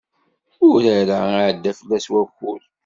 Urar-a iɛedda fell-as wakud.